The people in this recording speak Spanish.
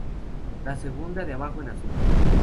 La segunda de abajo en azul.